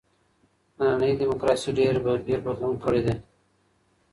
نننۍ دموکراسي ډېر بدلون کړی دی.